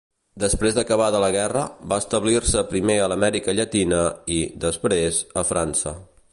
Després d'acabada la Guerra, va establir-se primer a l'Amèrica Llatina i, després, a França.